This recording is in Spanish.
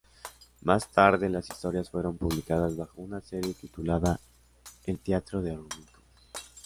Más tarde las historias fueron publicadas bajo una serie titulada El teatro de Rumiko.